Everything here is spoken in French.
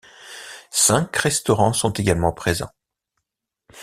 Cinq restaurants sont également présents.